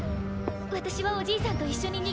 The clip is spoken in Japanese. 私はおじいさんと一緒に逃げます！